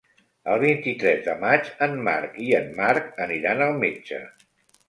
El vint-i-tres de maig en Marc i en Marc aniran al metge.